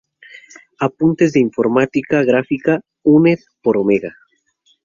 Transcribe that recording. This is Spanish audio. Apuntes de Informática Gráfica Uned por Omega.